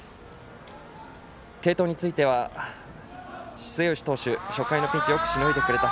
継投については、末吉投手初回のピンチをよくしのいでくれた。